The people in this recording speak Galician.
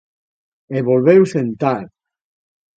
E volveu sentar.